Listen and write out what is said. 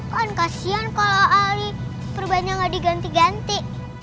kan kasihan kalau ali perbannya gak diganti ganti